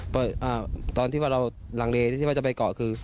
เพราะตอนที่ว่าเราลังเลที่ว่าจะไปเกาะคือ